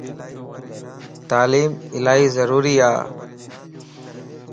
تعليم الائي ضروري ا